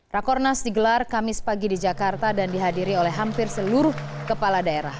rakornas digelar kamis pagi di jakarta dan dihadiri oleh hampir seluruh kepala daerah